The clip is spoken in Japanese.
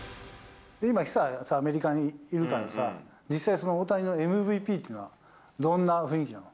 今、ひさはさ、アメリカにいるからさ、実際、大谷のＭＶＰっていうのはどんな雰囲気なの？